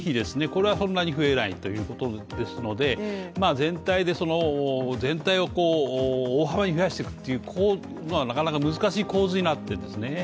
これはそんなに増えないということですので全体を大幅に増やしていくというのはなかなか難しい構図になっているんですね。